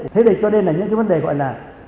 thế này cho nên là những cái vấn đề gọi là